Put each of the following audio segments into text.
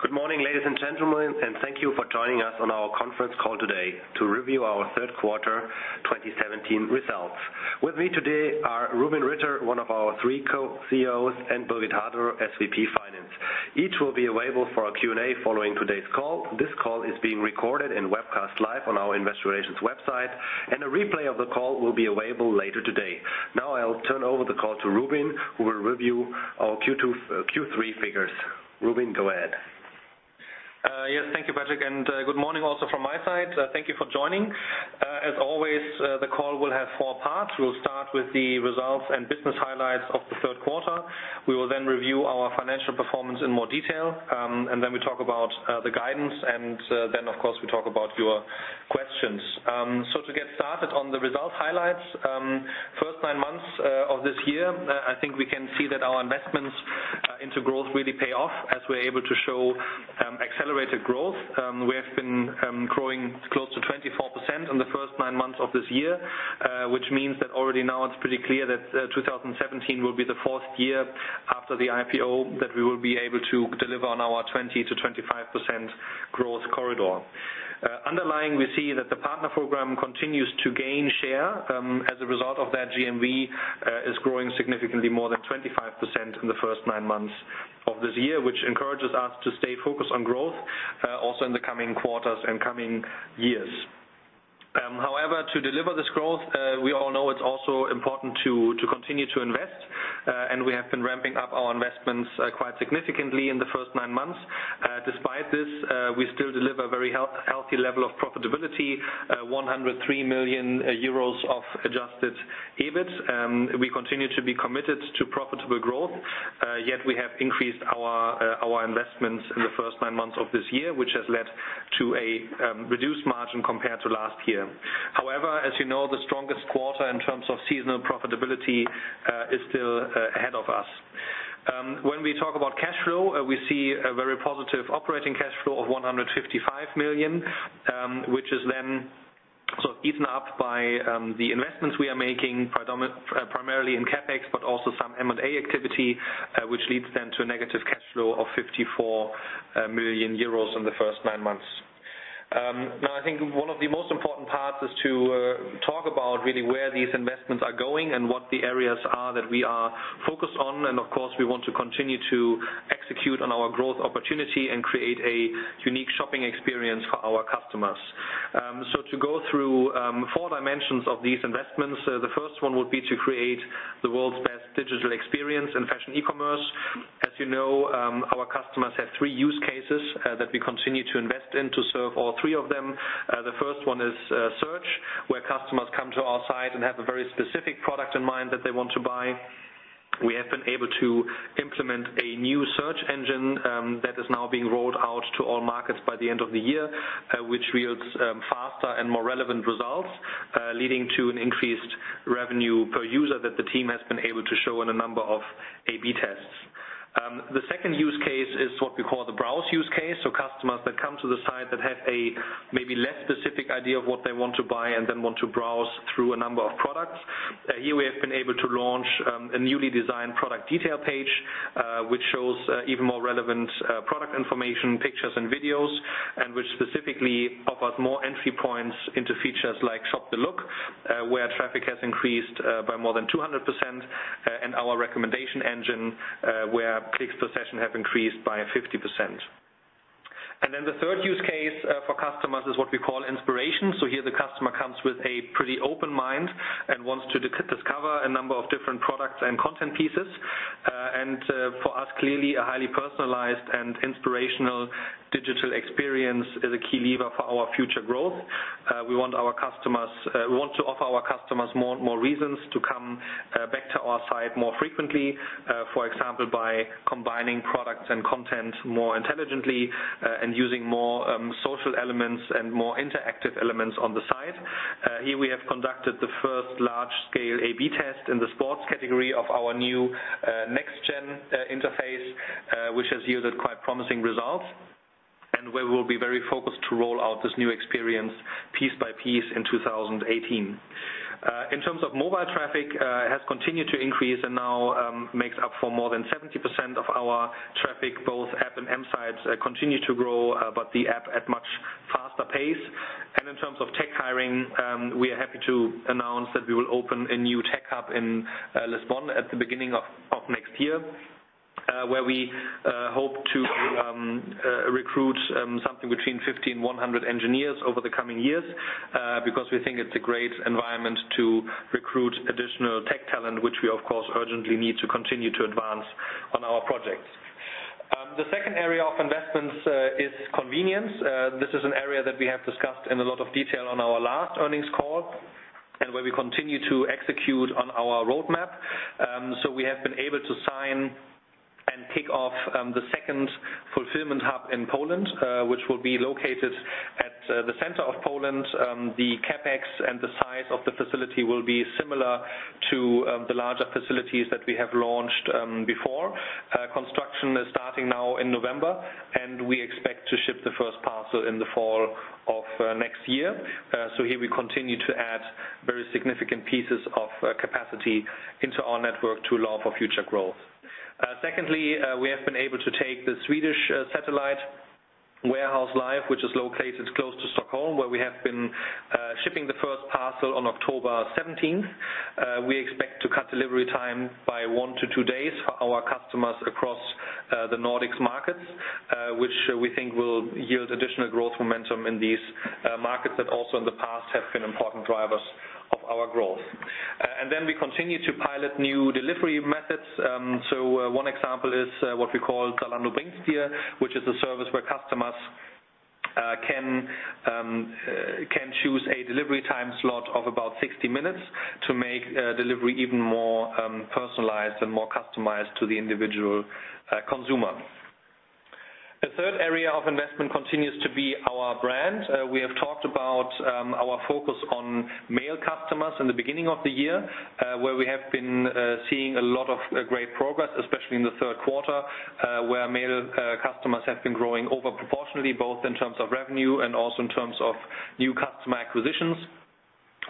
Good morning, ladies and gentlemen, thank you for joining us on our conference call today to review our third quarter 2017 results. With me today are Rubin Ritter, one of our three co-CEOs, and Birgit Haderer, SVP Finance. Each will be available for a Q&A following today's call. This call is being recorded and webcast live on our investor relations website, and a replay of the call will be available later today. I'll turn over the call to Rubin, who will review our Q3 figures. Rubin, go ahead. Thank you, Patrick, and good morning also from my side. Thank you for joining. As always, the call will have four parts. We'll start with the results and business highlights of the third quarter. We will then review our financial performance in more detail. Then we talk about the guidance. Then of course, we talk about your questions. To get started on the results highlights. First nine months of this year, I think we can see that our investments into growth really pay off as we're able to show accelerated growth. We have been growing close to 24% in the first nine months of this year, which means that already now it's pretty clear that 2017 will be the fourth year after the IPO that we will be able to deliver on our 20%-25% growth corridor. Underlying, we see that the partner program continues to gain share. As a result of that, GMV is growing significantly more than 25% in the first nine months of this year, which encourages us to stay focused on growth, also in the coming quarters and coming years. To deliver this growth, we all know it's also important to continue to invest. We have been ramping up our investments quite significantly in the first nine months. Despite this, we still deliver very healthy level of profitability, 103 million euros of adjusted EBIT. We continue to be committed to profitable growth. Yet we have increased our investments in the first nine months of this year, which has led to a reduced margin compared to last year. As you know, the strongest quarter in terms of seasonal profitability is still ahead of us. When we talk about cash flow, we see a very positive operating cash flow of 155 million, which is then eaten up by the investments we are making, primarily in CapEx, but also some M&A activity, which leads then to a negative cash flow of 54 million euros in the first nine months. I think one of the most important parts is to talk about really where these investments are going and what the areas are that we are focused on. Of course, we want to continue to execute on our growth opportunity and create a unique shopping experience for our customers. To go through four dimensions of these investments, the first one would be to create the world's best digital experience in fashion e-commerce. As you know, our customers have three use cases that we continue to invest in to serve all three of them. The first one is search, where customers come to our site and have a very specific product in mind that they want to buy. We have been able to implement a new search engine that is now being rolled out to all markets by the end of the year, which yields faster and more relevant results, leading to an increased revenue per user that the team has been able to show in a number of A/B tests. The second use case is what we call the browse use case. Customers that come to the site that have a maybe less specific idea of what they want to buy and then want to browse through a number of products. Here we have been able to launch a newly designed product detail page, which shows even more relevant product information, pictures, and videos, and which specifically offers more entry points into features like Shop the Look, where traffic has increased by more than 200%, and our recommendation engine, where clicks per session have increased by 50%. The third use case for customers is what we call inspiration. Here the customer comes with a pretty open mind and wants to discover a number of different products and content pieces. For us, clearly, a highly personalized and inspirational digital experience is a key lever for our future growth. We want to offer our customers more and more reasons to come back to our site more frequently, for example, by combining products and content more intelligently and using more social elements and more interactive elements on the site. Here we have conducted the first large-scale A/B test in the sports category of our new next-gen interface, which has yielded quite promising results. We will be very focused to roll out this new experience piece by piece in 2018. In terms of mobile traffic, has continued to increase and now makes up for more than 70% of our traffic. Both app and m-sites continue to grow, but the app at much faster pace. In terms of tech hiring, we are happy to announce that we will open a new tech hub in Lisbon at the beginning of next year, where we hope to recruit something between 50 and 100 engineers over the coming years. Because we think it's a great environment to recruit additional tech talent, which we of course urgently need to continue to advance on our projects. The second area of investments is convenience. This is an area that we have discussed in a lot of detail on our last earnings call and where we continue to execute on our roadmap. We have been able to sign and kick off the second fulfillment hub in Poland, which will be located at the center of Poland. The CapEx and the size of the facility will be similar to the larger facilities that we have launched before. Construction is starting now in November, and we expect to Also in the fall of next year. Here we continue to add very significant pieces of capacity into our network to allow for future growth. Secondly, we have been able to take the Swedish satellite warehouse live, which is located close to Stockholm, where we have been shipping the first parcel on October 17th. We expect to cut delivery time by 1 to 2 days for our customers across the Nordics markets, which we think will yield additional growth momentum in these markets that also in the past have been important drivers of our growth. We continue to pilot new delivery methods. One example is what we call Zalando, which is a service where customers can choose a delivery time slot of about 60 minutes to make delivery even more personalized and more customized to the individual consumer. The third area of investment continues to be our brand. We have talked about our focus on male customers in the beginning of the year, where we have been seeing a lot of great progress, especially in the third quarter where male customers have been growing over-proportionally, both in terms of revenue and also in terms of new customer acquisitions.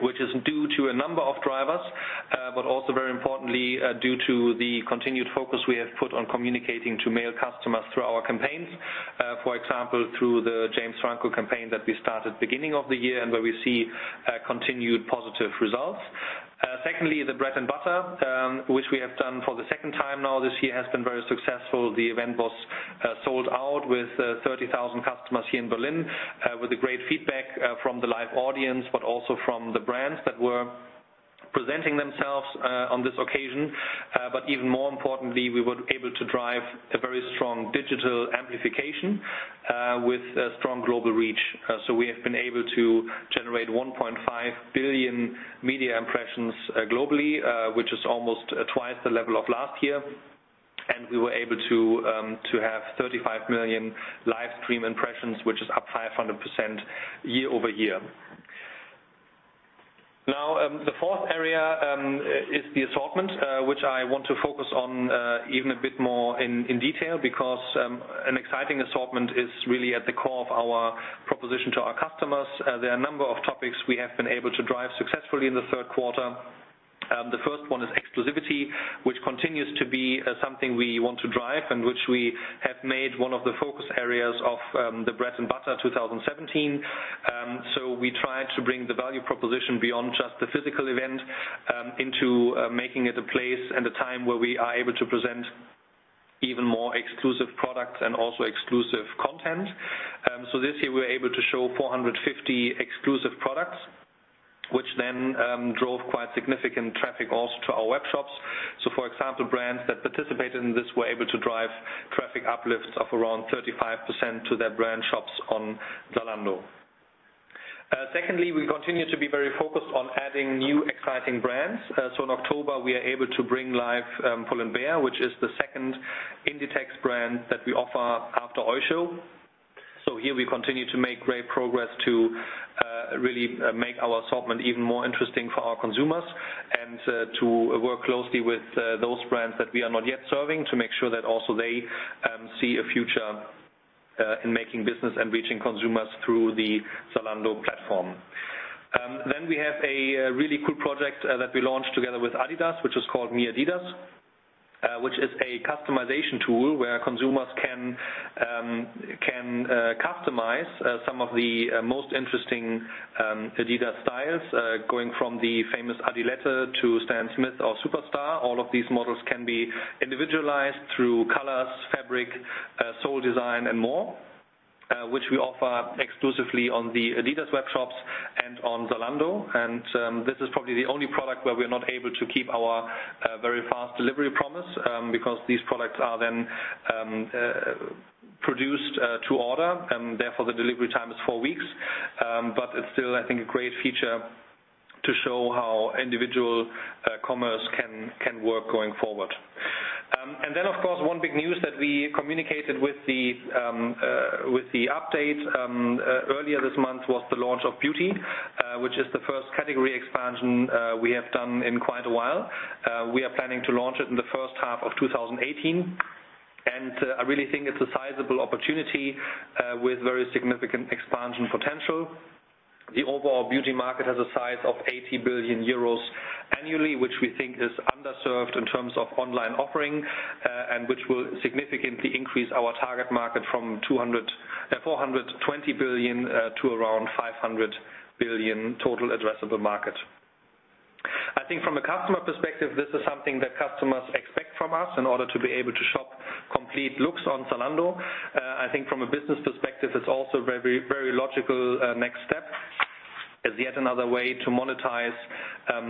This is due to a number of drivers, also very importantly, due to the continued focus we have put on communicating to male customers through our campaigns. For example, through the James Franco campaign that we started beginning of the year and where we see continued positive results. Secondly, the Bread & Butter, which we have done for the second time now this year, has been very successful. The event was sold out with 30,000 customers here in Berlin with great feedback from the live audience, but also from the brands that were presenting themselves on this occasion. Even more importantly, we were able to drive a very strong digital amplification with strong global reach. We have been able to generate 1.5 billion media impressions globally, which is almost twice the level of last year. We were able to have 35 million live stream impressions, which is up 500% year-over-year. The fourth area is the assortment, which I want to focus on even a bit more in detail because an exciting assortment is really at the core of our proposition to our customers. There are a number of topics we have been able to drive successfully in the third quarter. The first one is exclusivity, which continues to be something we want to drive and which we have made one of the focus areas of the Bread & Butter 2017. We try to bring the value proposition beyond just the physical event into making it a place and a time where we are able to present even more exclusive products and also exclusive content. This year we were able to show 450 exclusive products, which then drove quite significant traffic also to our workshops. For example, brands that participated in this were able to drive traffic uplifts of around 35% to their brand shops on Zalando. Secondly, we continue to be very focused on adding new, exciting brands. In October, we are able to bring live Pull&Bear, which is the second Inditex brand that we offer after Oysho. Here we continue to make great progress to really make our assortment even more interesting for our consumers and to work closely with those brands that we are not yet serving to make sure that also they see a future in making business and reaching consumers through the Zalando platform. We have a really cool project that we launched together with Adidas, which is called mi adidas. Which is a customization tool where consumers can customize some of the most interesting Adidas styles, going from the famous Adilette to Stan Smith or Superstar. All of these models can be individualized through colors, fabric, sole design, and more, which we offer exclusively on the Adidas workshops and on Zalando. This is probably the only product where we're not able to keep our very fast delivery promise because these products are then produced to order. Therefore, the delivery time is 4 weeks. It's still, I think, a great feature to show how individual commerce can work going forward. Of course, one big news that we communicated with the update earlier this month was the launch of Beauty. Which is the first category expansion we have done in quite a while. We are planning to launch it in the first half of 2018. I really think it's a sizable opportunity with very significant expansion potential. The overall Beauty market has a size of 80 billion euros annually, which we think is underserved in terms of online offering, and which will significantly increase our target market from 420 billion to around 500 billion total addressable market. I think from a customer perspective, this is something that customers expect from us in order to be able to shop complete looks on Zalando. I think from a business perspective, it's also very logical next step as yet another way to monetize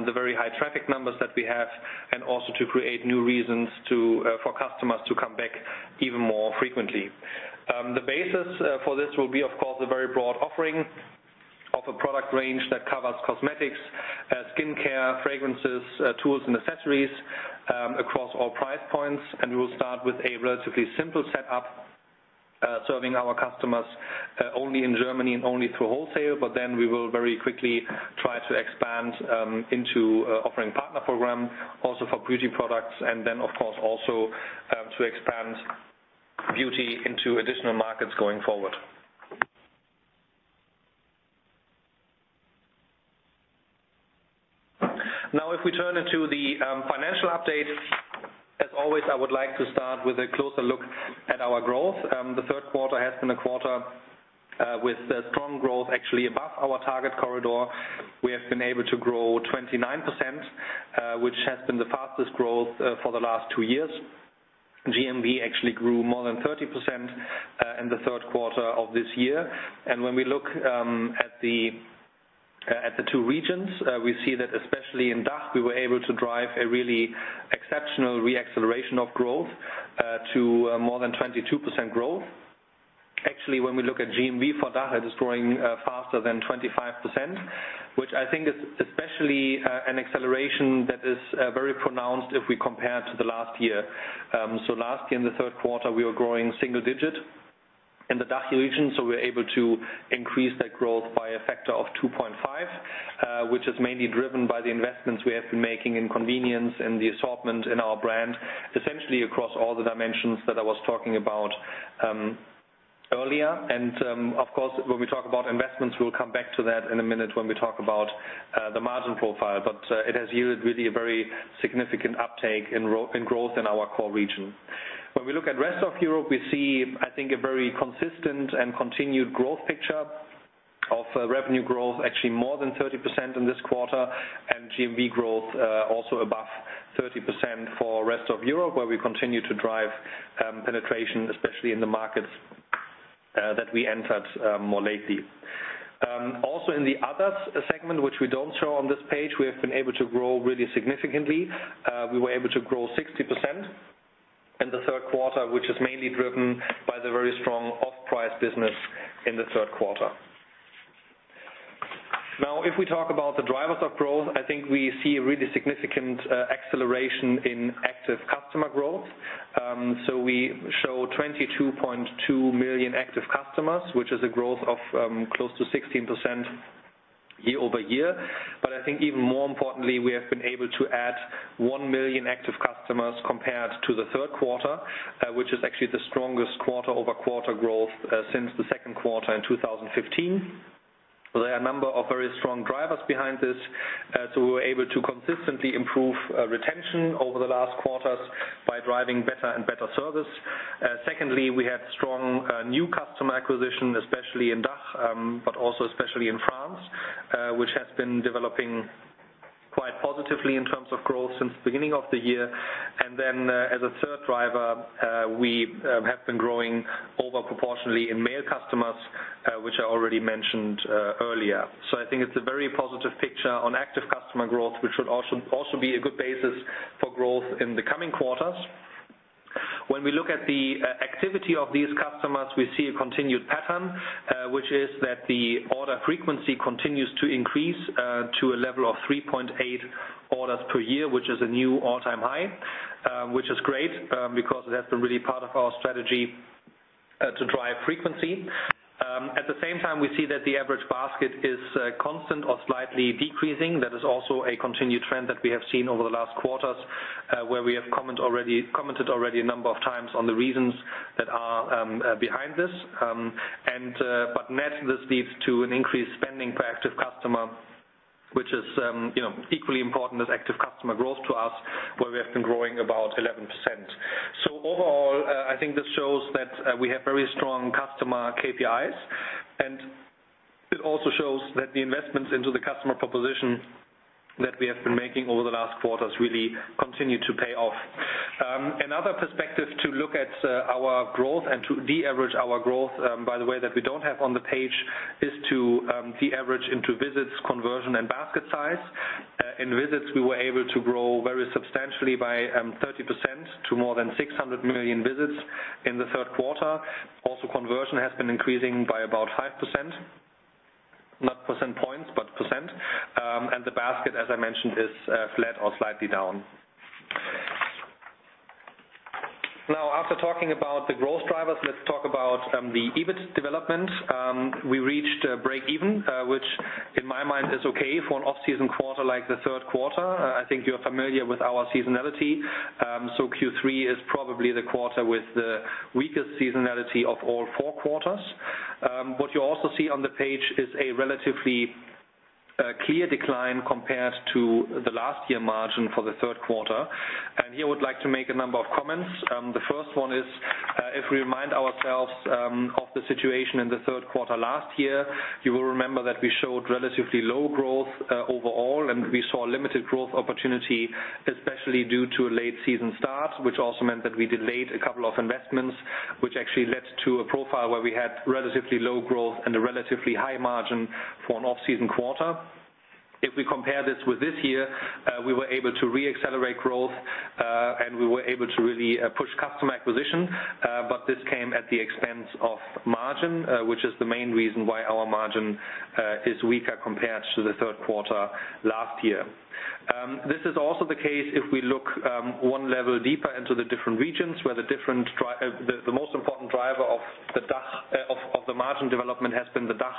the very high traffic numbers that we have and also to create new reasons for customers to come back even more frequently. The basis for this will be, of course, a very broad offering of a product range that covers cosmetics, skin care, fragrances, tools, and accessories across all price points. We will start with a relatively simple setup serving our customers only in Germany and only through wholesale. We will very quickly try to expand into offering partner program also for Beauty products, of course, also to expand Beauty into additional markets going forward. If we turn into the financial update, as always, I would like to start with a closer look at our growth. The third quarter has been a quarter with strong growth actually above our target corridor. We have been able to grow 29%, which has been the fastest growth for the last two years. GMV actually grew more than 30% in the third quarter of this year. When we look at the two regions, we see that especially in DACH, we were able to drive a really exceptional re-acceleration of growth to more than 22% growth. Actually, when we look at GMV for DACH, it is growing faster than 25%, which I think is especially an acceleration that is very pronounced if we compare to the last year. Last year in the third quarter, we were growing single digit in the DACH region, we were able to increase that growth by a factor of 2.5, which is mainly driven by the investments we have been making in convenience and the assortment in our brand, essentially across all the dimensions that I was talking about earlier. Of course, when we talk about investments, we'll come back to that in a minute when we talk about the margin profile. It has yielded really a very significant uptake in growth in our core region. When we look at rest of Europe, we see, I think, a very consistent and continued growth picture of revenue growth, actually more than 30% in this quarter, and GMV growth, also above 30% for rest of Europe, where we continue to drive penetration, especially in the markets that we entered more lately. Also in the other segment, which we don't show on this page, we have been able to grow really significantly. We were able to grow 60% in the third quarter, which is mainly driven by the very strong off-price business in the third quarter. If we talk about the drivers of growth, I think we see a really significant acceleration in active customer growth. We show 22.2 million active customers, which is a growth of close to 16% year-over-year. I think even more importantly, we have been able to add 1 million active customers compared to the third quarter, which is actually the strongest quarter-over-quarter growth since the second quarter in 2015. There are a number of very strong drivers behind this. We were able to consistently improve retention over the last quarters by driving better and better service. Secondly, we had strong new customer acquisition, especially in DACH, but also especially in France, which has been developing quite positively in terms of growth since the beginning of the year. As a third driver, we have been growing over proportionally in male customers, which I already mentioned earlier. I think it's a very positive picture on active customer growth, which should also be a good basis for growth in the coming quarters. When we look at the activity of these customers, we see a continued pattern, which is that the order frequency continues to increase to a level of 3.8 orders per year, which is a new all-time high, which is great because it has been really part of our strategy to drive frequency. At the same time, we see that the average basket is constant or slightly decreasing. That is also a continued trend that we have seen over the last quarters, where we have commented already a number of times on the reasons that are behind this. Net, this leads to an increased spending per active customer, which is equally important as active customer growth to us, where we have been growing about 11%. Overall, I think this shows that we have very strong customer KPIs, and it also shows that the investments into the customer proposition that we have been making over the last quarters really continue to pay off. Another perspective to look at our growth and to de-average our growth, by the way, that we don't have on the page, is to de-average into visits, conversion, and basket size. In visits, we were able to grow very substantially by 30% to more than 600 million visits in the third quarter. Also, conversion has been increasing by about 5%, not percent points, but percent. The basket, as I mentioned, is flat or slightly down. After talking about the growth drivers, let's talk about the EBIT development. We reached breakeven, which in my mind is okay for an off-season quarter like the third quarter. I think you're familiar with our seasonality. Q3 is probably the quarter with the weakest seasonality of all four quarters. What you also see on the page is a relatively clear decline compared to the last year margin for the third quarter. Here I would like to make a number of comments. The first one is, if we remind ourselves of the situation in the third quarter last year, you will remember that we showed relatively low growth overall, and we saw limited growth opportunity, especially due to a late season start, which also meant that we delayed a couple of investments, which actually led to a profile where we had relatively low growth and a relatively high margin for an off-season quarter. If we compare this with this year, we were able to re-accelerate growth, and we were able to really push customer acquisition. This came at the expense of margin, which is the main reason why our margin is weaker compared to the third quarter last year. This is also the case if we look 1 level deeper into the different regions, where the most important driver of the margin development has been the DACH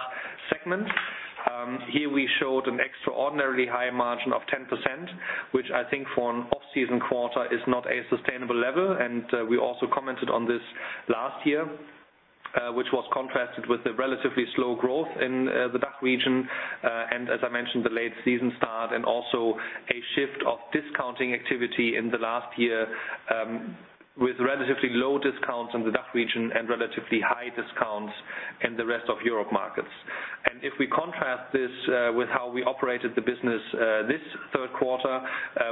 segment. Here we showed an extraordinarily high margin of 10%, which I think for an off-season quarter is not a sustainable level. We also commented on this last year, which was contrasted with the relatively slow growth in the DACH region. As I mentioned, the late season start and also a shift of discounting activity in the last year with relatively low discounts in the DACH region and relatively high discounts in the Rest of Europe markets. If we contrast this with how we operated the business this third quarter,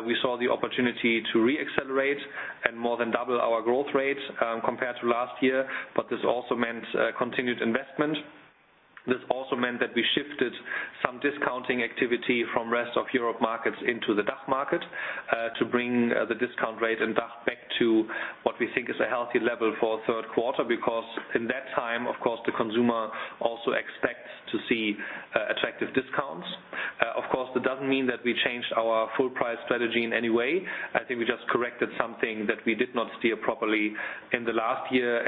we saw the opportunity to re-accelerate and more than double our growth rate compared to last year. This also meant continued investment. This also meant that we shifted some discounting activity from Rest of Europe markets into the DACH market to bring the discount rate in DACH back to what we think is a healthy level for third quarter, because in that time, of course, the consumer also expects to see attractive discounts. Of course, that doesn't mean that we changed our full price strategy in any way. I think we just corrected something that we did not steer properly in the last year.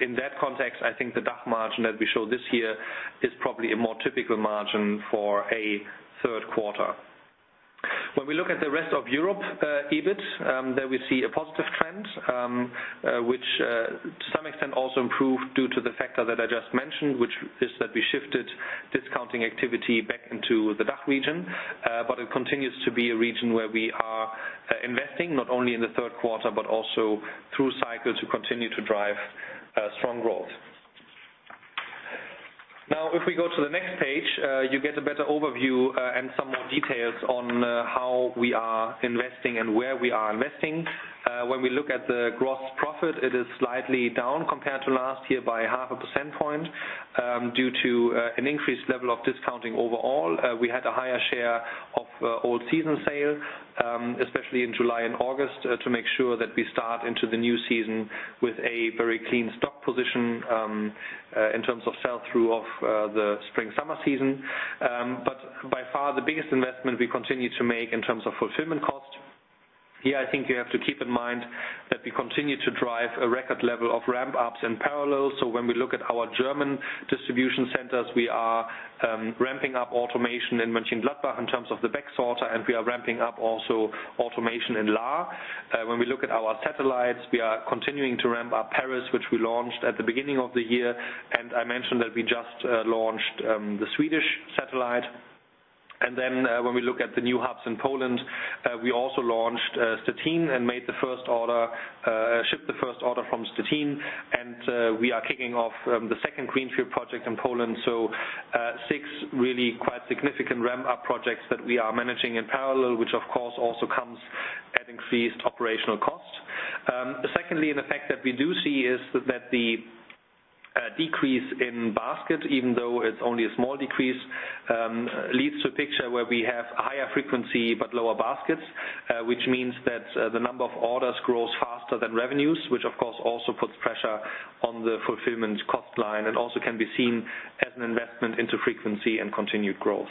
In that context, I think the DACH margin that we show this year is probably a more typical margin for a third quarter. When we look at the Rest of Europe EBIT, there we see a positive trend, which to some extent also improved due to the factor that I just mentioned, which is that we shifted discounting activity back into the DACH region. It continues to be a region where we are investing, not only in the third quarter, but also through cycles to continue to drive strong growth. If we go to the next page, you get a better overview and some more details on how we are investing and where we are investing. When we look at the gross profit, it is slightly down compared to last year by half a percent point due to an increased level of discounting overall. We had a higher share of old season sale, especially in July and August, to make sure that we start into the new season with a very clean stock position in terms of sell-through of the spring-summer season. By far the biggest investment we continue to make in terms of fulfillment cost. Here, I think you have to keep in mind that we continue to drive a record level of ramp-ups in parallel. When we look at our German distribution centers, we are ramping up automation in Mönchengladbach in terms of the Baxorter, and we are ramping up also automation in Lahr. When we look at our satellites, we are continuing to ramp up Paris, which we launched at the beginning of the year. I mentioned that we just launched the Swedish satellite. When we look at the new hubs in Poland, we also launched Szczecin and shipped the first order from Szczecin. We are kicking off the second greenfield project in Poland. Six really quite significant ramp-up projects that we are managing in parallel, which of course also comes at increased operational costs. Secondly, an effect that we do see is that the decrease in basket, even though it's only a small decrease, leads to a picture where we have higher frequency but lower baskets. Which means that the number of orders grows faster than revenues, which of course also puts pressure on the fulfillment cost line and also can be seen as an investment into frequency and continued growth.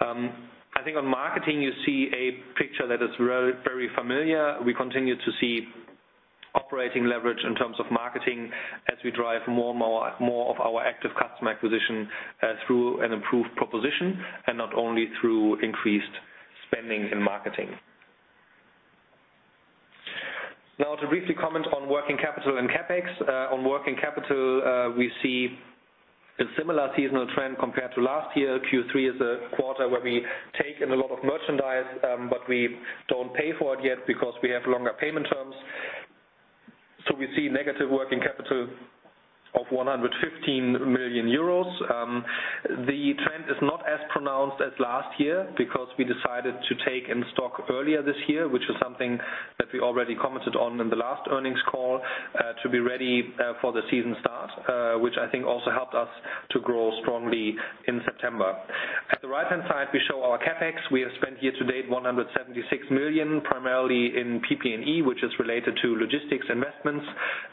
I think on marketing, you see a picture that is very familiar. We continue to see operating leverage in terms of marketing as we drive more of our active customer acquisition through an improved proposition and not only through increased spending in marketing. To briefly comment on working capital and CapEx. On working capital, we see a similar seasonal trend compared to last year. Q3 is a quarter where we take in a lot of merchandise, but we don't pay for it yet because we have longer payment terms. We see negative working capital of 115 million euros. The trend is not as pronounced as last year because we decided to take in stock earlier this year, which is something that we already commented on in the last earnings call, to be ready for the season start, which I think also helped us to grow strongly in September. At the right-hand side, we show our CapEx. We have spent year to date 176 million, primarily in PP&E, which is related to logistics investments.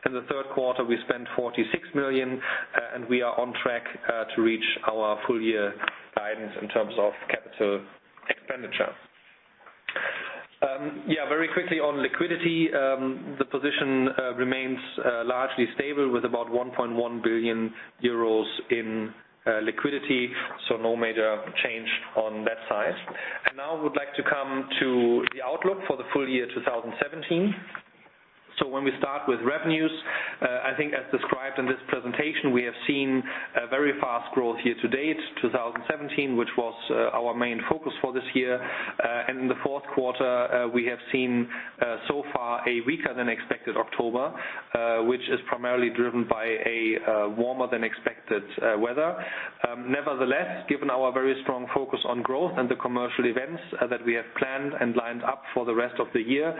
In the third quarter, we spent 46 million, and we are on track to reach our full-year guidance in terms of capital expenditure. Very quickly on liquidity. The position remains largely stable with about 1.1 billion euros in liquidity, no major change on that side. Now I would like to come to the outlook for the full year 2017. When we start with revenues, I think as described in this presentation, we have seen a very fast growth year to date 2017, which was our main focus for this year. In the fourth quarter, we have seen so far a weaker than expected October, which is primarily driven by a warmer than expected weather. Nevertheless, given our very strong focus on growth and the commercial events that we have planned and lined up for the rest of the year,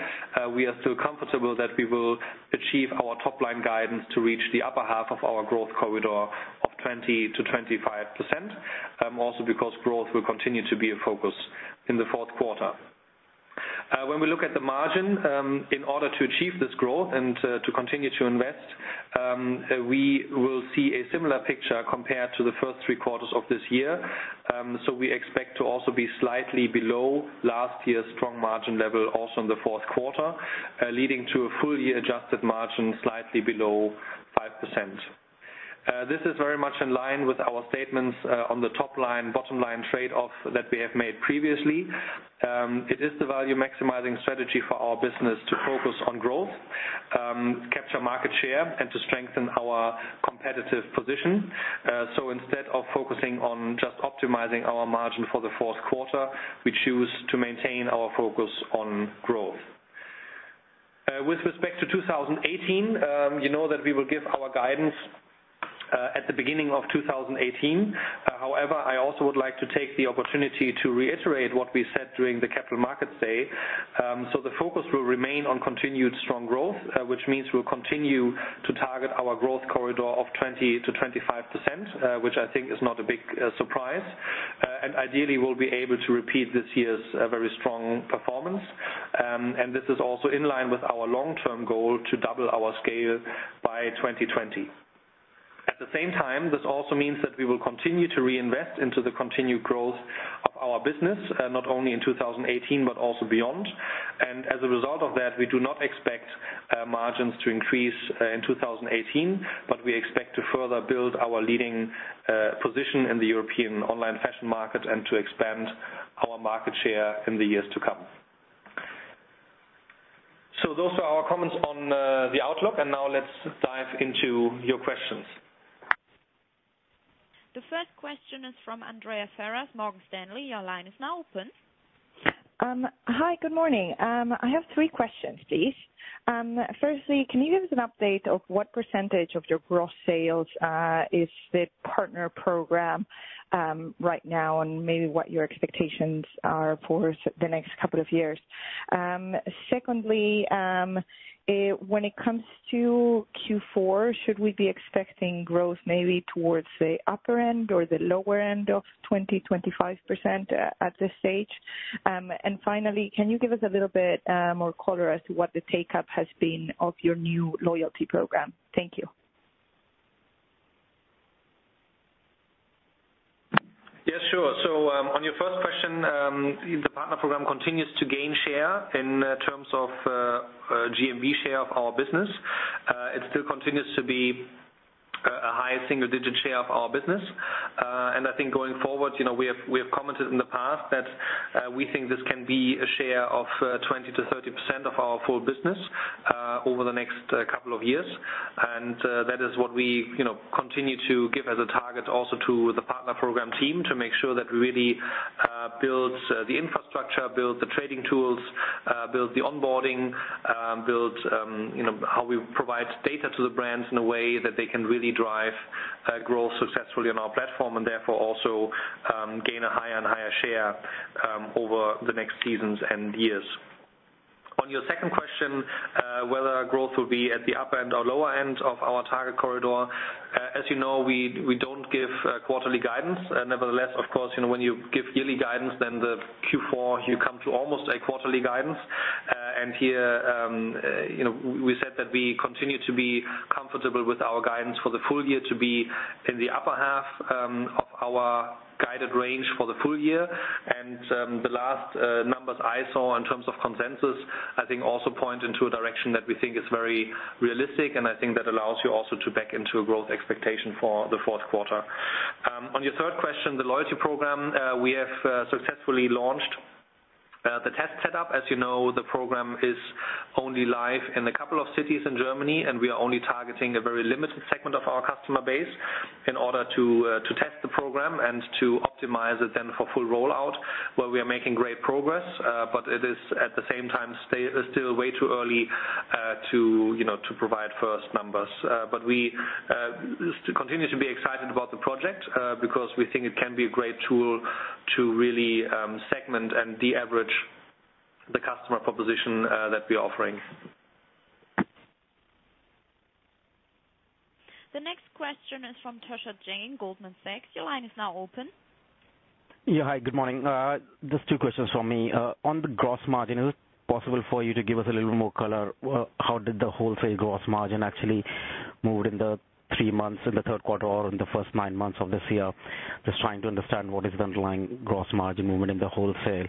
we are still comfortable that we will achieve our top-line guidance to reach the upper half of our growth corridor of 20%-25%. Because growth will continue to be a focus in the fourth quarter. When we look at the margin in order to achieve this growth and to continue to invest, we will see a similar picture compared to the first three quarters of this year. We expect to also be slightly below last year's strong margin level also in the fourth quarter, leading to a full year adjusted margin slightly below 5%. This is very much in line with our statements on the top-line, bottom-line trade-off that we have made previously. It is the value maximizing strategy for our business to focus on growth, capture market share, and to strengthen our competitive position. Instead of focusing on just optimizing our margin for the fourth quarter, we choose to maintain our focus on growth. With respect to 2018, you know that we will give our guidance at the beginning of 2018. However, I also would like to take the opportunity to reiterate what we said during the Capital Markets Day. The focus will remain on continued strong growth, which means we will continue to target our growth corridor of 20%-25%, which I think is not a big surprise. Ideally, we will be able to repeat this year's very strong performance. This is also in line with our long-term goal to double our scale by 2020. At the same time, this also means that we will continue to reinvest into the continued growth of our business, not only in 2018, but also beyond. As a result of that, we do not expect margins to increase in 2018, but we expect to further build our leading position in the European online fashion market and to expand our market share in the years to come. Those are our comments on the outlook and now let's dive into your questions. The first question is from Andrea Ferraz, Morgan Stanley. Your line is now open. Hi, good morning. I have three questions, please. Firstly, can you give us an update of what percentage of your gross sales is the partner program right now, and maybe what your expectations are for the next couple of years? Secondly, when it comes to Q4, should we be expecting growth maybe towards the upper end or the lower end of 20%-25% at this stage? Finally, can you give us a little bit more color as to what the take-up has been of your new loyalty program? Thank you. Sure. On your first question, the partner program continues to gain share in terms of GMV share of our business. It still continues to be a high single-digit share of our business. I think going forward, we have commented in the past that we think this can be a share of 20%-30% of our full business over the next couple of years. That is what we continue to give as a target also to the partner program team to make sure that we really build the infrastructure, build the trading tools, build the onboarding, build how we provide data to the brands in a way that they can really drive growth successfully on our platform and therefore also gain a higher and higher share over the next seasons and years. On your second question, whether growth will be at the upper end or lower end of our target corridor. As you know, we don't give quarterly guidance. Nevertheless, of course, when you give yearly guidance, then the Q4, you come to almost a quarterly guidance. Here we said that we continue to be comfortable with our guidance for the full year to be in the upper half of our guided range for the full year. The last numbers I saw in terms of consensus, I think also point into a direction that we think is very realistic, and I think that allows you also to back into a growth expectation for the fourth quarter. On your third question, the loyalty program we have successfully launched. The test set up, as you know, the program is only live in a couple of cities in Germany, and we are only targeting a very limited segment of our customer base in order to test the program and to optimize it then for full rollout, where we are making great progress. It is at the same time still way too early to provide first numbers. We continue to be excited about the project, because we think it can be a great tool to really segment and de-average the customer proposition that we're offering. The next question is from Tushar Jain, Goldman Sachs. Your line is now open. Yes. Hi, good morning. Just two questions from me. On the gross margin, is it possible for you to give us a little more color? How did the wholesale gross margin actually move in the three months in the third quarter or in the first nine months of this year? Just trying to understand what is the underlying gross margin movement in the wholesale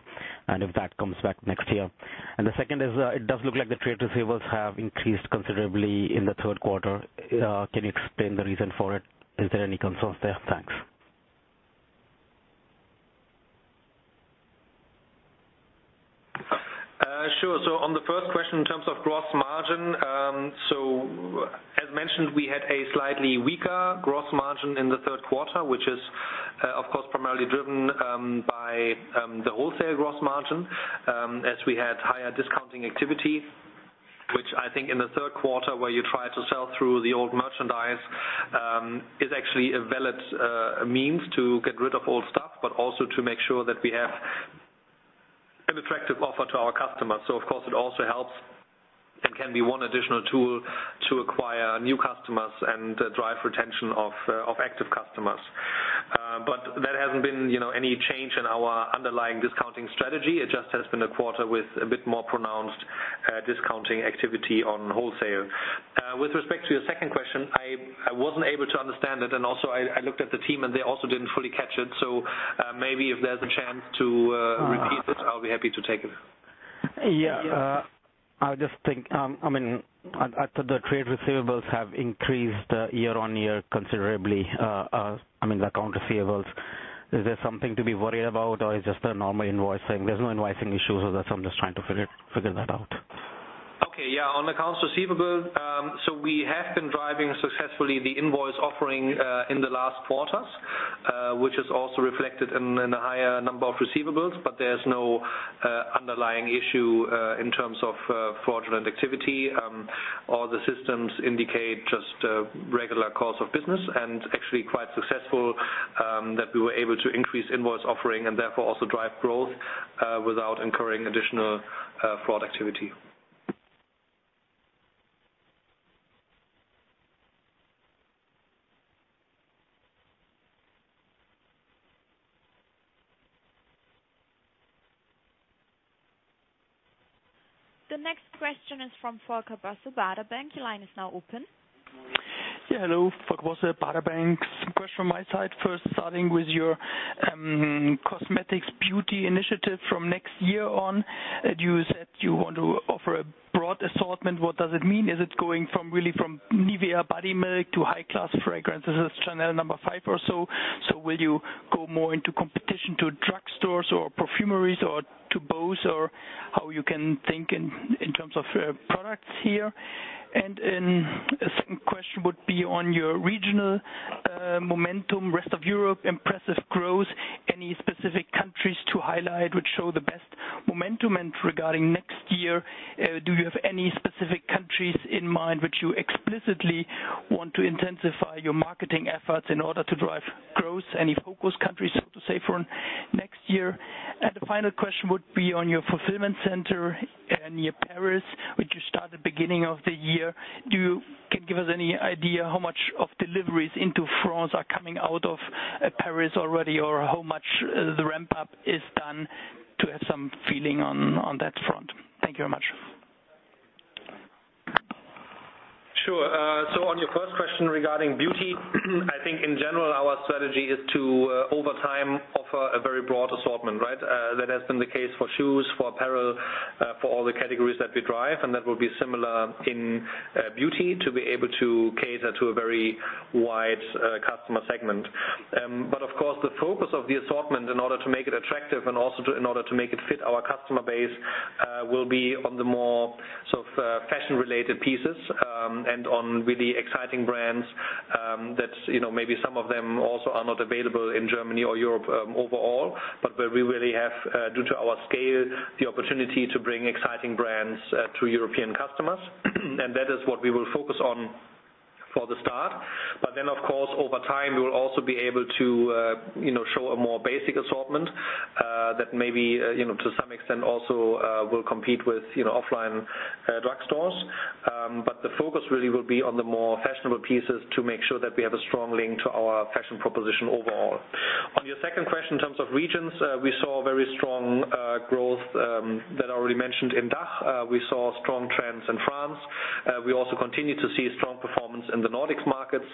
and if that comes back next year. The second is, it does look like the trade receivables have increased considerably in the third quarter. Can you explain the reason for it? Is there any concerns there? Thanks. Sure. On the first question, in terms of gross margin. As mentioned, we had a slightly weaker gross margin in the third quarter, which is of course primarily driven by the wholesale gross margin, as we had higher discounting activity. Which I think in the third quarter, where you try to sell through the old merchandise, is actually a valid means to get rid of old stuff, but also to make sure that we have an attractive offer to our customers. Of course it also helps and can be one additional tool to acquire new customers and drive retention of active customers. There hasn't been any change in our underlying discounting strategy. It just has been a quarter with a bit more pronounced discounting activity on wholesale. With respect to your second question, I wasn't able to understand it, also I looked at the team and they also didn't fully catch it. Maybe if there's a chance to repeat it, I'll be happy to take it. Yeah. I just think the trade receivables have increased year-on-year considerably. I mean, the account receivables. Is there something to be worried about or it's just a normal invoicing? There's no invoicing issues with that, I'm just trying to figure that out. Okay. Yeah. On accounts receivable, we have been driving successfully the invoice offering in the last quarters, which is also reflected in the higher number of receivables. There is no underlying issue in terms of fraudulent activity. All the systems indicate just a regular course of business and actually quite successful, that we were able to increase invoice offering and therefore also drive growth, without incurring additional fraud activity. The next question is from Volker Bosse, Baader Bank. Your line is now open. Yeah. Hello. Volker Bosse, Baader Bank. Some questions from my side. First, starting with your cosmetics beauty initiative from next year on. You said you want to offer a broad assortment. What does it mean? Is it going from really from Nivea body milk to high-class fragrances, Chanel No. 5 or so? Will you go more into competition to drugstores or perfumeries or to both, or how you can think in terms of products here? A second question would be on your regional momentum. Rest of Europe, impressive growth. Any specific countries to highlight which show the best momentum? Regarding next year, do you have any specific countries in mind which you explicitly want to intensify your marketing efforts in order to drive growth? Any focus countries, so to say, for next year? The final question would be on your fulfillment center near Paris, which you started beginning of the year. Can you give us any idea how much of deliveries into France are coming out of Paris already or how much the ramp-up is done to have some feeling on that front? Thank you very much. Sure. On your first question regarding beauty, I think in general, our strategy is to, over time, offer a very broad assortment, right? That has been the case for shoes, for apparel, for all the categories that we drive, and that will be similar in beauty to be able to cater to a very wide customer segment. Of course, the focus of the assortment in order to make it attractive and also in order to make it fit our customer base, will be on the more fashion-related pieces, and on really exciting brands that maybe some of them also are not available in Germany or Europe overall. Where we really have, due to our scale, the opportunity to bring exciting brands to European customers. That is what we will focus on for the start. Of course, over time, we will also be able to show a more basic assortment, that maybe, to some extent also will compete with offline drugstores. The focus really will be on the more fashionable pieces to make sure that we have a strong link to our fashion proposition overall. On your second question in terms of regions, we saw very strong growth, that I already mentioned in DACH. We saw strong trends in France. We also continue to see strong performance in the Nordics markets,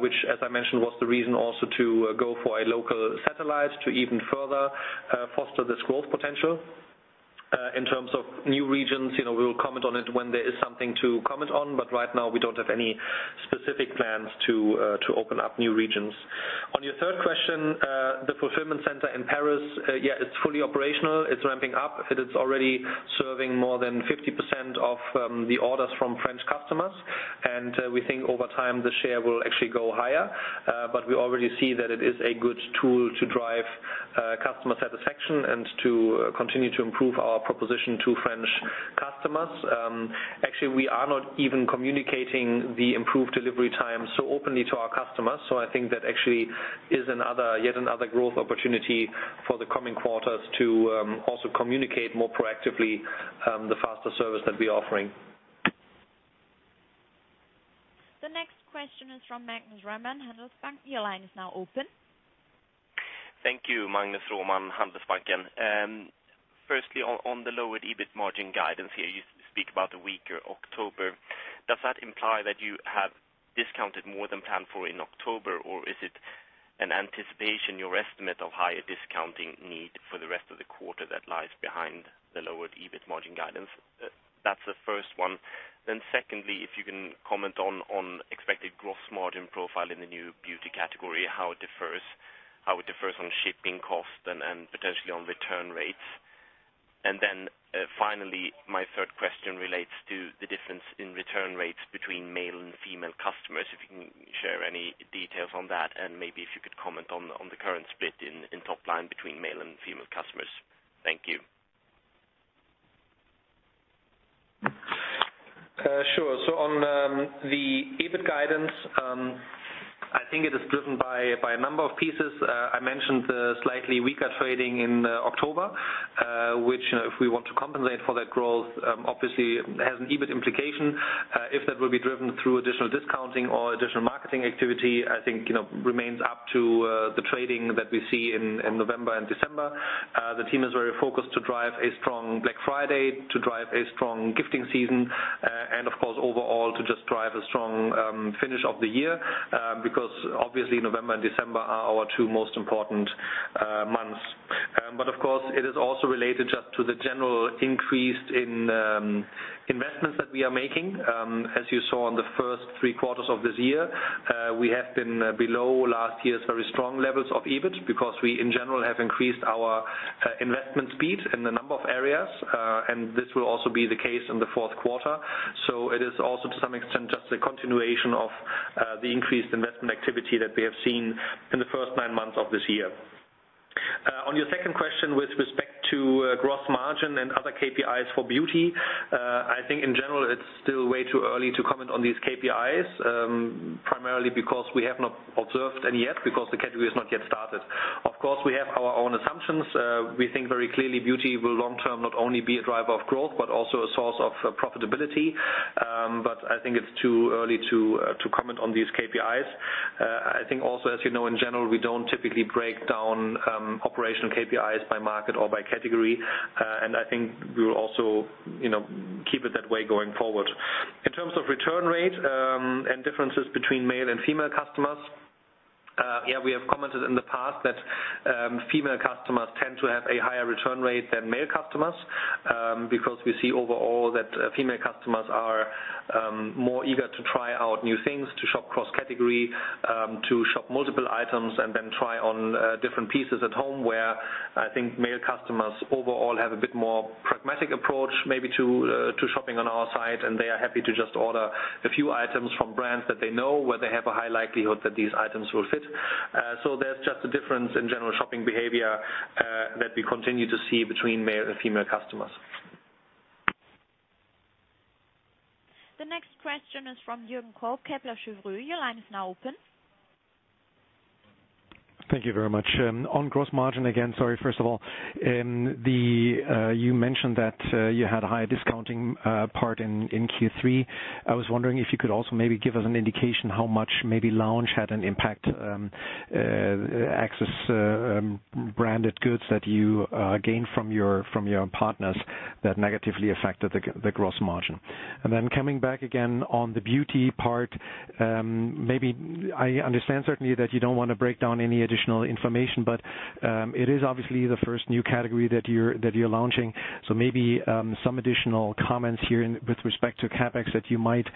which as I mentioned, was the reason also to go for a local satellite to even further foster this growth potential. In terms of new regions, we will comment on it when there is something to comment on, right now we don't have any specific plans to open up new regions. On your third question, the fulfillment center in Paris, it's fully operational. It's ramping up. It is already serving more than 50% of the orders from French customers, and we think over time the share will actually go higher. We already see that it is a good tool to drive customer satisfaction and to continue to improve our proposition to French customers. Actually, we are not even communicating the improved delivery times so openly to our customers. I think that actually is yet another growth opportunity for the coming quarters to also communicate more proactively, the faster service that we're offering. The next question is from Magnus Roman, Handelsbanken. Your line is now open. Thank you. Magnus Roman, Handelsbanken. Firstly, on the lowered EBIT margin guidance here, you speak about a weaker October. Does that imply that you have discounted more than planned for in October, or is it an anticipation, your estimate of higher discounting need for the rest of the quarter that lies behind the lowered EBIT margin guidance? That's the first one. Secondly, if you can comment on expected gross margin profile in the new beauty category, how it differs on shipping cost and potentially on return rates. Finally, my third question relates to the difference in return rates between male and female customers. If you can share any details on that and maybe if you could comment on the current split in top-line between male and female customers. Thank you. Sure. On the EBIT guidance, I think it is driven by a number of pieces. I mentioned the slightly weaker trading in October, which if we want to compensate for that growth, obviously has an EBIT implication. If that will be driven through additional discounting or additional marketing activity, I think remains up to the trading that we see in November and December. The team is very focused to drive a strong Black Friday, to drive a strong gifting season, and of course overall, to just drive a strong finish of the year, because obviously November and December are our two most important months. Of course, it is also related just to the general increase in investments that we are making. As you saw on the first three quarters of this year, we have been below last year's very strong levels of EBIT because we in general have increased our investment speed in a number of areas, and this will also be the case in the fourth quarter. It is also to some extent just a continuation of the increased investment activity that we have seen in the first nine months of this year. On your second question with respect to gross margin and other KPIs for beauty, I think in general it's still way too early to comment on these KPIs, primarily because we have not observed any yet because the category has not yet started. Of course, we have our own assumptions. We think very clearly beauty will long-term not only be a driver of growth but also a source of profitability. I think it's too early to comment on these KPIs. I think also, as you know, in general, we don't typically break down operational KPIs by market or by category. I think we'll also keep it that way going forward. In terms of return rate and differences between male and female customers, we have commented in the past that female customers tend to have a higher return rate than male customers because we see overall that female customers are more eager to try out new things, to shop cross-category, to shop multiple items and then try on different pieces at home. Where I think male customers overall have a bit more pragmatic approach, maybe to shopping on our site and they are happy to just order a few items from brands that they know where they have a high likelihood that these items will fit. There's just a difference in general shopping behavior that we continue to see between male and female customers. The next question is from Jürgen Kolb, Kepler Cheuvreux. Your line is now open. Thank you very much. On gross margin again, sorry, first of all, you mentioned that you had a higher discounting part in Q3. I was wondering if you could also maybe give us an indication how much maybe Lounge had an impact, access branded goods that you gained from your partners that negatively affected the gross margin. Then coming back again on the beauty part, I understand certainly that you don't want to break down any additional information but it is obviously the first new category that you're launching. Maybe some additional comments here with respect to CapEx that you might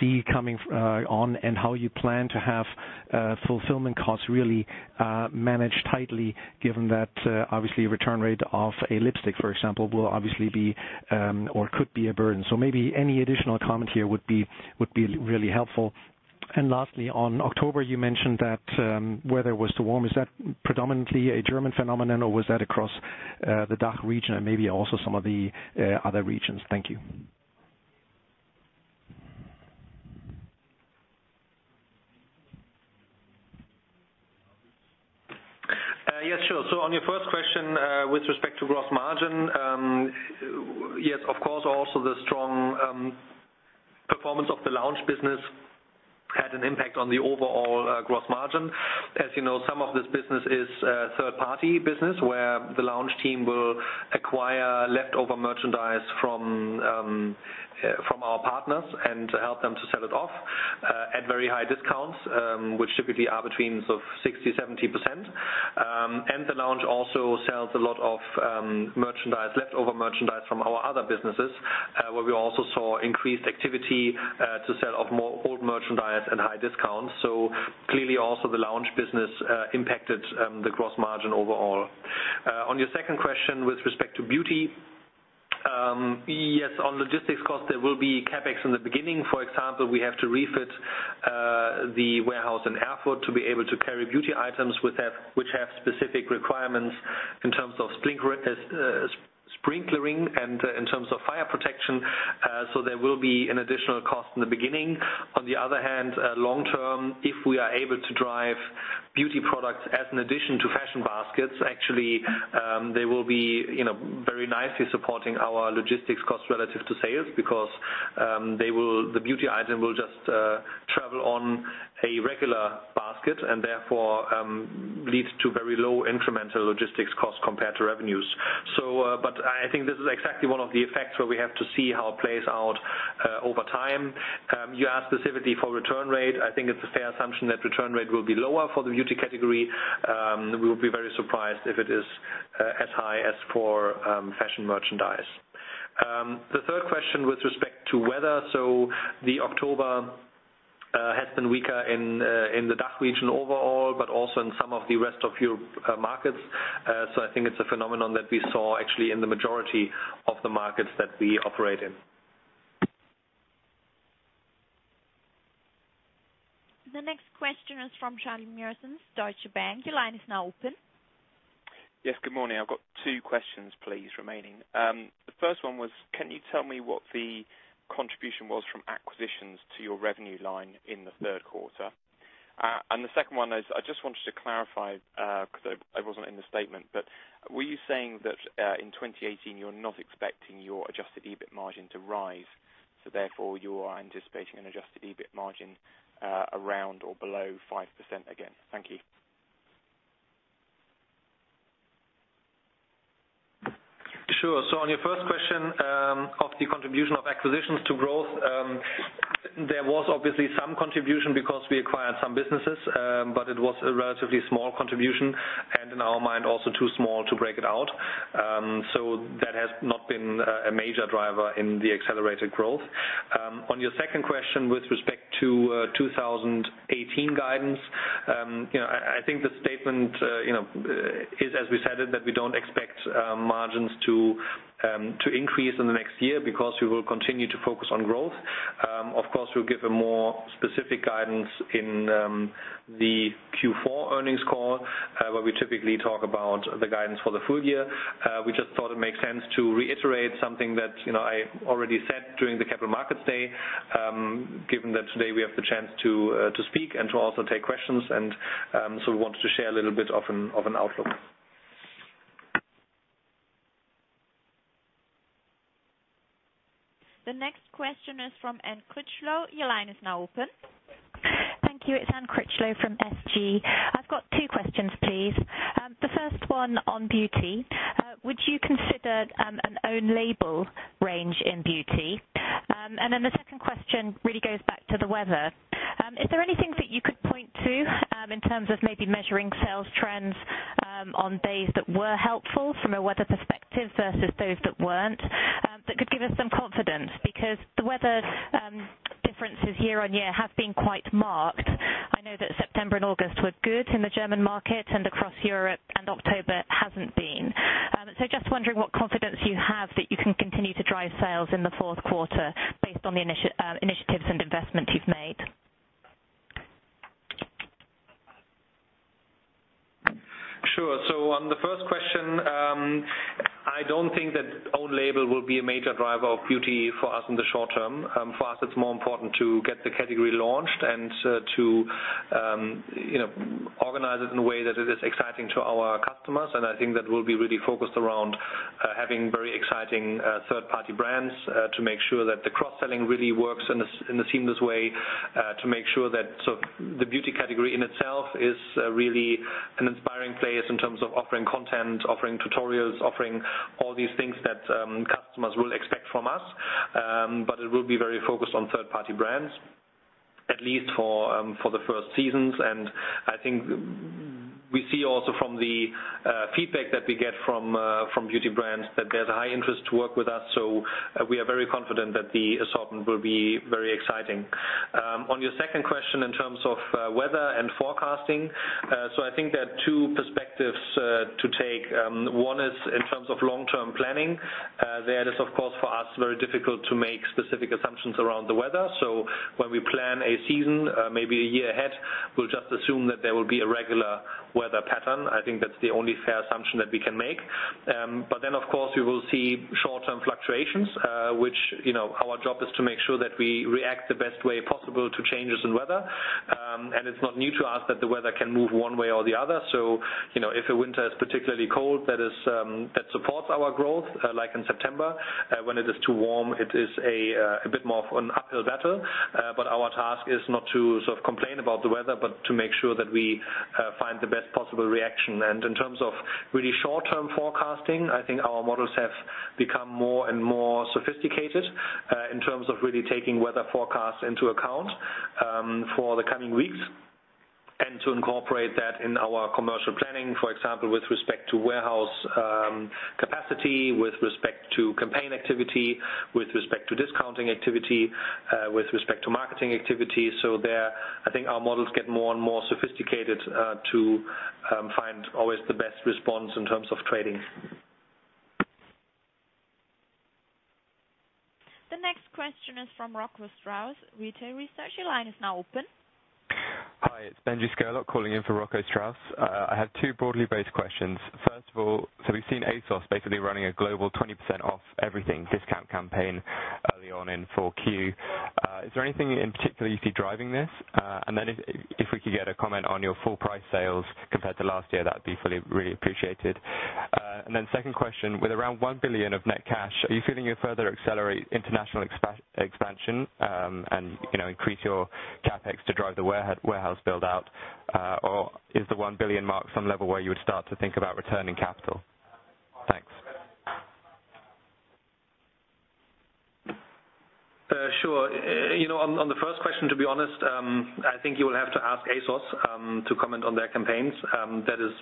see coming on and how you plan to have fulfillment costs really managed tightly given that obviously return rate of a lipstick, for example, will obviously be or could be a burden. Maybe any additional comment here would be really helpful. Lastly, on October, you mentioned that weather was too warm. Is that predominantly a German phenomenon or was that across the DACH region and maybe also some of the other regions? Thank you. Yes, sure. On your first question with respect to gross margin, yes, of course, also the strong performance of the Lounge business had an impact on the overall gross margin. As you know, some of this business is third-party business where the Lounge team will acquire leftover merchandise from our partners and help them to sell it off at very high discounts, which typically are between 60%-70%. The Lounge also sells a lot of leftover merchandise from our other businesses, where we also saw increased activity to sell off more old merchandise at high discounts. Clearly also the Lounge business impacted the gross margin overall. On your second question with respect to beauty. Yes, on logistics cost, there will be CapEx in the beginning. For example, we have to refit the warehouse and Erfurt to be able to carry beauty items which have specific requirements in terms of sprinklering and in terms of fire protection. There will be an additional cost in the beginning. On the other hand, long term, if we are able to drive beauty products as an addition to fashion baskets, actually, they will be very nicely supporting our logistics cost relative to sales because the beauty item will just travel on a regular basket and therefore leads to very low incremental logistics cost compared to revenues. I think this is exactly one of the effects where we have to see how it plays out over time. You asked specifically for return rate. I think it's a fair assumption that return rate will be lower for the beauty category. We will be very surprised if it is as high as for fashion merchandise. The third question with respect to weather. The October has been weaker in the DACH region overall, but also in some of the rest of Europe markets. I think it's a phenomenon that we saw actually in the majority of the markets that we operate in. The next question is from Charlie Muir-Sands, Deutsche Bank. Your line is now open. Yes, good morning. I've got two questions please remaining. The first one was, can you tell me what the contribution was from acquisitions to your revenue line in the third quarter? The second one is, I just wanted to clarify because it wasn't in the statement, but were you saying that in 2018 you're not expecting your adjusted EBIT margin to rise, so therefore you are anticipating an adjusted EBIT margin around or below 5% again? Thank you. Sure. On your first question of the contribution of acquisitions to growth, there was obviously some contribution because we acquired some businesses, but it was a relatively small contribution, and in our mind, also too small to break it out. That has not been a major driver in the accelerated growth. On your second question with respect to 2018 guidance, I think the statement is, as we said it, that we don't expect margins to increase in the next year because we will continue to focus on growth. Of course, we'll give a more specific guidance in the Q4 earnings call, where we typically talk about the guidance for the full year. We just thought it makes sense to reiterate something that I already said during the Capital Markets Day, given that today we have the chance to speak and to also take questions, and so we wanted to share a little bit of an outlook. The next question is from Anne Critchlow. Your line is now open. Thank you. It's Anne Critchlow from SG. I've got two questions, please. The first one on beauty. Would you consider an own label range in beauty? The second question really goes back to the weather. Is there anything that you could point to in terms of maybe measuring sales trends on days that were helpful from a weather perspective versus those that weren't, that could give us some confidence? Because the weather differences year-on-year have been quite marked. I know that September and August were good in the German market and across Europe, and October hasn't been. Just wondering what confidence you have that you can continue to drive sales in the fourth quarter based on the initiatives and investments you've made. Sure. On the first question, I don't think that own label will be a major driver of beauty for us in the short term. For us, it's more important to get the category launched and to organize it in a way that it is exciting to our customers. I think that will be really focused around having very exciting third-party brands to make sure that the cross-selling really works in a seamless way, to make sure that the beauty category in itself is really an inspiring place in terms of offering content, offering tutorials, offering all these things that customers will expect from us. It will be very focused on third-party brands, at least for the first seasons. I think we see also from the feedback that we get from beauty brands that there's a high interest to work with us. We are very confident that the assortment will be very exciting. On your second question in terms of weather and forecasting. I think there are two perspectives to take. One is in terms of long-term planning. There it is, of course, for us, very difficult to make specific assumptions around the weather. When we plan a season, maybe a year ahead, we'll just assume that there will be a regular weather pattern. I think that's the only fair assumption that we can make. Of course, we will see short-term fluctuations, which our job is to make sure that we react the best way possible to changes in weather. It's not new to us that the weather can move one way or the other. If a winter is particularly cold, that supports our growth, like in September. When it is too warm, it is a bit more of an uphill battle. Our task is not to complain about the weather, but to make sure that we find the best possible reaction. In terms of really short-term forecasting, I think our models have become more and more sophisticated in terms of really taking weather forecasts into account for the coming weeks and to incorporate that in our commercial planning. For example, with respect to warehouse capacity, with respect to campaign activity, with respect to discounting activity, with respect to marketing activity. There, I think our models get more and more sophisticated to find always the best response in terms of trading. The next question is from Rocco Strauss, Arete Research. Your line is now open. Hi, it's Benjamin Scurlock calling in for Rocco Strauss. I have two broadly based questions. First of all, we've seen ASOS basically running a global 20% off everything discount campaign early on in 4Q. Is there anything in particular you see driving this? Then if we could get a comment on your full price sales compared to last year, that would be fully really appreciated. Then second question, with around 1 billion of net cash, are you feeling you'll further accelerate international expansion and increase your CapEx to drive the warehouse build-out? Or is the 1 billion mark some level where you would start to think about returning capital? Thanks. Sure. On the first question, to be honest, I think you will have to ask ASOS to comment on their campaigns. That is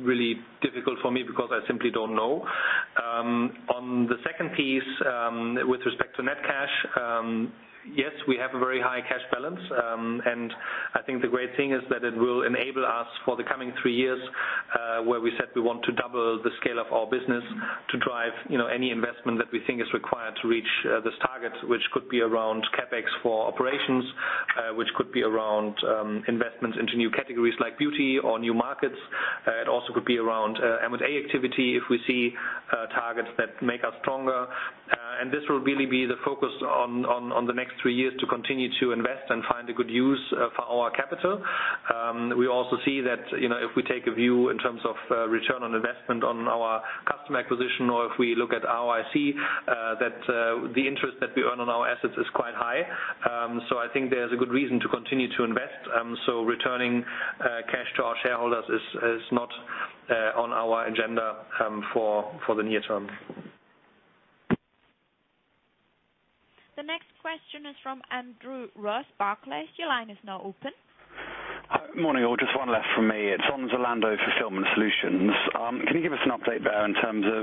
really difficult for me because I simply don't know. On the second piece, with respect to net cash, yes, we have a very high cash balance. I think the great thing is that it will enable us for the coming three years, where we said we want to double the scale of our business to drive any investment that we think is required to reach this target, which could be around CapEx for operations, which could be around investments into new categories like beauty or new markets. It also could be around M&A activity if we see targets that make us stronger. This will really be the focus on the next three years to continue to invest and find a good use for our capital. We also see that if we take a view in terms of return on investment on our customer acquisition or if we look at ROIC, that the interest that we earn on our assets is quite high. I think there's a good reason to continue to invest. Returning cash to our shareholders is not on our agenda for the near term. The next question is from Andrew Ross, Barclays, your line is now open. Morning, all. Just one left from me. It's on Zalando Fulfillment Solutions. Can you give us an update there in terms of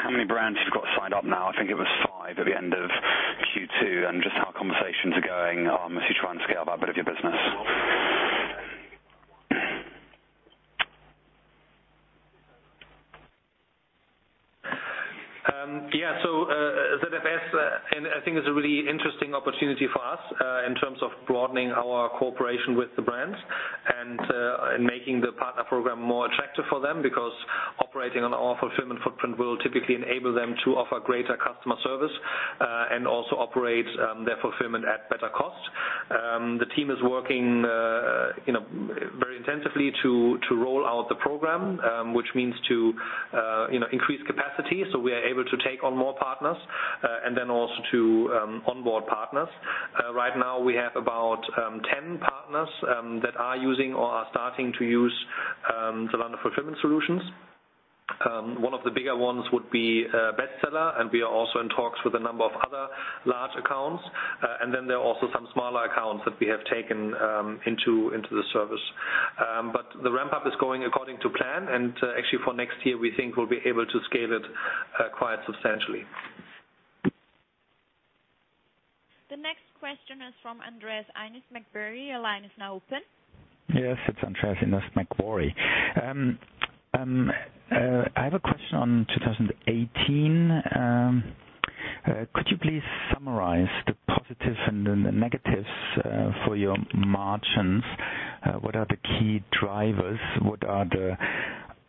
how many brands you've got signed up now? I think it was five at the end of Q2, and just how conversations are going as you try and scale up that bit of your business. Yeah. ZFS, I think is a really interesting opportunity for us, in terms of broadening our cooperation with the brands and making the partner program more attractive for them, because operating on our fulfillment footprint will typically enable them to offer greater customer service, and also operate their fulfillment at better cost. The team is working very intensively to roll out the program, which means to increase capacity so we are able to take on more partners, and then also to onboard partners. Right now we have about 10 partners that are using or are starting to use Zalando Fulfillment Solutions. One of the bigger ones would be Bestseller, and we are also in talks with a number of other large accounts. There are also some smaller accounts that we have taken into the service. The ramp-up is going according to plan, and actually for next year, we think we'll be able to scale it quite substantially. The next question is from Andreas Inderst, Macquarie. Your line is now open. Yes, it's Andreas Inderst, Macquarie. I have a question on 2018. Could you please summarize the positives and the negatives for your margins? What are the key drivers? What are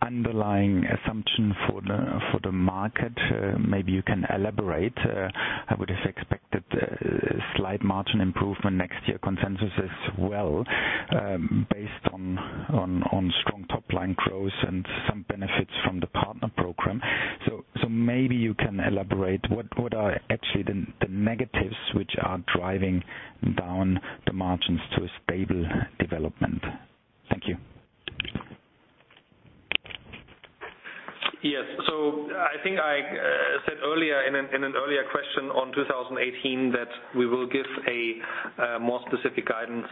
the underlying assumptions for the market? Maybe you can elaborate. I would've expected a slight margin improvement next year, consensus as well, based on strong top-line growth and some benefits from the partner program. Maybe you can elaborate, what are actually the negatives which are driving down the margins to a stable development? Thank you. Yes. I think I said earlier in an earlier question on 2018 that we will give a more specific guidance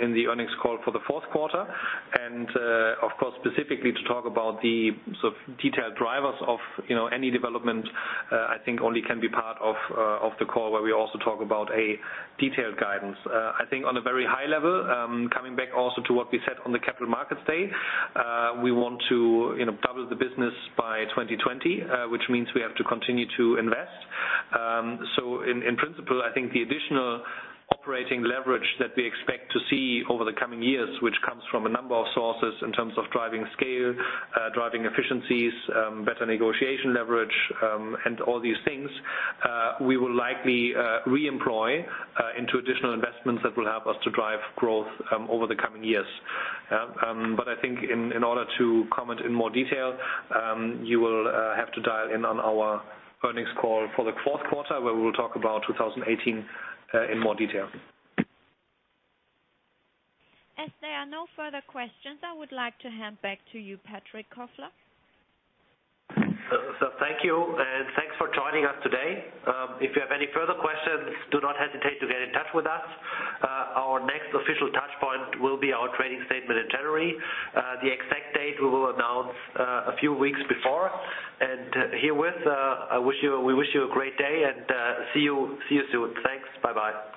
in the earnings call for the fourth quarter. Of course, specifically to talk about the detailed drivers of any development, I think only can be part of the call where we also talk about a detailed guidance. I think on a very high level, coming back also to what we said on the Capital Markets Day, we want to double the business by 2020, which means we have to continue to invest. In principle, I think the additional operating leverage that we expect to see over the coming years, which comes from a number of sources in terms of driving scale, driving efficiencies, better negotiation leverage, and all these things, we will likely reemploy into additional investments that will help us to drive growth over the coming years. I think in order to comment in more detail, you will have to dial in on our earnings call for the fourth quarter where we will talk about 2018 in more detail. As there are no further questions, I would like to hand back to you, Patrick Kofler. Thank you, and thanks for joining us today. If you have any further questions, do not hesitate to get in touch with us. Our next official touch point will be our trading statement in January. The exact date we will announce a few weeks before. Herewith, we wish you a great day, and see you soon. Thanks. Bye-bye.